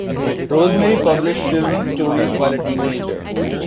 Rosemary published children's stories while a teenager.